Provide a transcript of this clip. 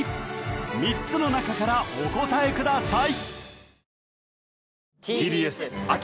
３つの中からお答えください